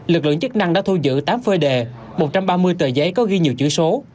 lực lượng chức năng đã thu giữ tám phơi đề một trăm ba mươi tờ giấy có ghi nhiều chữ số